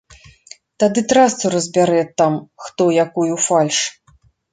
Тады трасцу разбярэ там хто якую фальш.